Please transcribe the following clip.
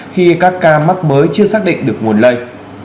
khi các ca mắc mới chưa xác định được nguồn lây